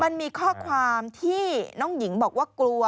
มันมีข้อความที่น้องหญิงบอกว่ากลัว